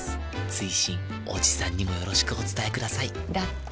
追伸おじさんにもよろしくお伝えくださいだって。